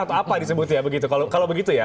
apakah pak jokowi ini hanya gimmick atau pecitran